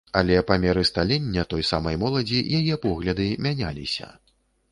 Але па меры сталення той самай моладзі, яе погляды мяняліся.